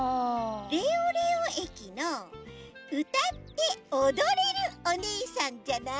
レオレオえきのうたっておどれるおねえさんじゃない？